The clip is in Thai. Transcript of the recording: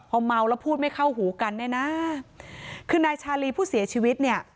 พอเมาแล้วพูดไม่เข้าหูกันเนี่ยนะคือนายชาลีผู้เสียชีวิตเนี่ย